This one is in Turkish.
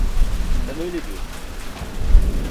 Sen öyle diyorsun.